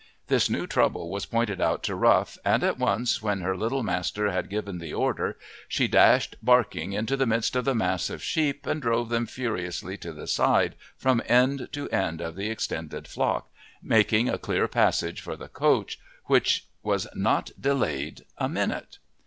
This new trouble was pointed out to Rough, and at once when her little master had given the order she dashed barking into the midst of the mass of sheep and drove them furiously to the side from end to end of the extended flock, making a clear passage for the coach, which was not delayed a minute.